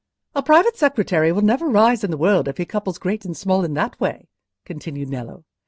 "A private secretary will never rise in the world if he couples great and small in that way," continued Nello.